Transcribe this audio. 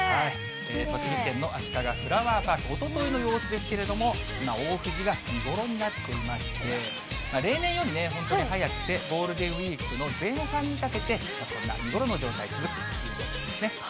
栃木県のあしかがフラワーパーク、おとといの様子ですけれども、今、大藤が見頃になっていまして、例年より本当に早くて、ゴールデンウィークの前半にかけて、こんな見頃の状態が続くということですね。